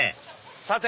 さて！